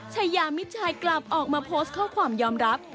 ชายามิดชัยกลับออกมาโพสต์ข้อความยอมรับ